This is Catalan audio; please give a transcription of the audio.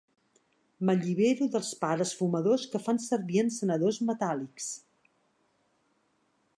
M'allibero dels pares fumadors que fan servir encenedors metàl·lics.